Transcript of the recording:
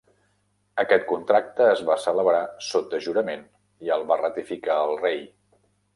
Aquest contracte es va celebrar sota jurament i el va ratificar el Rei.